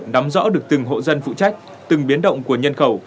nắm rõ được từng hộ dân phụ trách từng biến động của nhân khẩu